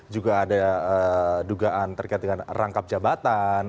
juga ada dugaan terkait dengan rangkap jabatan